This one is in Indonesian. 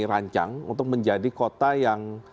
rancang untuk menjadi kota yang